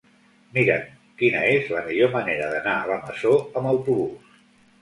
Mira'm quina és la millor manera d'anar a la Masó amb autobús.